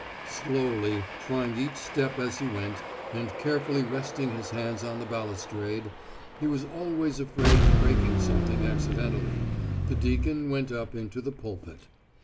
Slowly, trying each step as he went, and carefully resting his hands on the balustrade he was always afraid of breaking something accidentally the deacon went up into the pulpit.